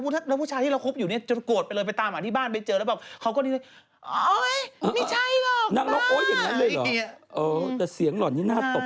ดูเป็นผู้ชายสุดคนหน่อยก็บอกก็ไม่นะก็แบบ